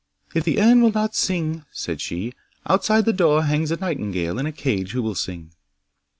'"If the urn will not sing," said she, "outside the door hangs a nightingale in a cage who will sing."